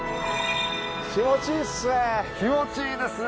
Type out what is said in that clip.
気持ちいいっすね。